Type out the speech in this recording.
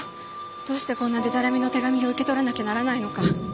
どうしてこんなデタラメの手紙を受け取らなきゃならないのか。